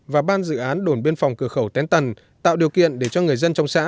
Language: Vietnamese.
và ban dự án đồn biên phòng cửa khẩu tén tần tạo điều kiện để cho người dân trong xã